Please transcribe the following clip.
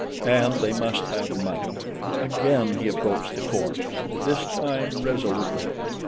And they must have money! Again he approached the corpse. This time resolutely.